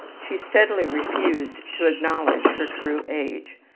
She steadily refused to acknowledge her true age.